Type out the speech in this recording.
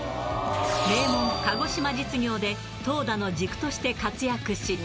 名門、鹿児島実業で投打の軸として活躍し。